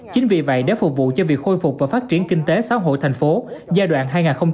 chính vì vậy để phục vụ cho việc khôi phục và phát triển kinh tế xã hội thành phố giai đoạn hai nghìn một mươi sáu hai nghìn hai mươi